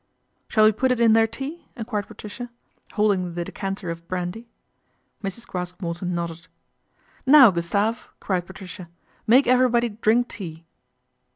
" Shall we put it in their tea ?" enquired Patricia, holding the decanter of brandy. Mrs. Craske Morton nodded. "Now, Gustave I" cried Patricia, "make every body drink tea."